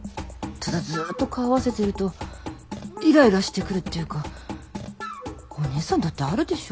ただずっと顔を合わせてるとイライラしてくるっていうかお姉さんだってあるでしょ。